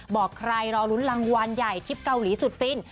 บอกใครรอลุ้นรางวัลใหญ่ทริปเกาหลีสุดฟิน